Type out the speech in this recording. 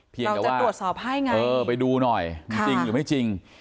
เราจะตรวจสอบให้ไงไปดูหน่อยมันจริงหรือไม่จริง